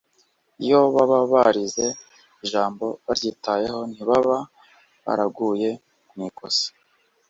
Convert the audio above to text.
Iyo baba barize ijambo baryitayeho, ntibaba baraguye mu ikosa.